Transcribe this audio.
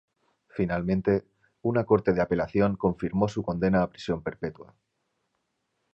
Finalmente, una corte de apelación confirmó su condena a prisión perpetua.